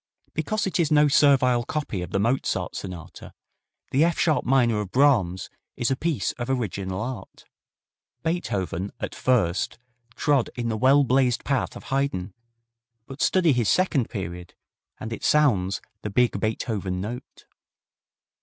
Because it is no servile copy of the Mozart Sonata, the F sharp minor of Brahms is a piece of original art. Beethoven at first trod in the well blazed path of Haydn, but study his second period, and it sounds the big Beethoven note.